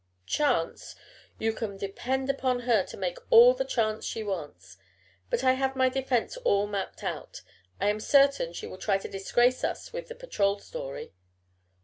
"Chance! You can depend upon her to make all the chance she wants. But I have my defense all mapped out. I am certain she will try to disgrace us with the patrol story."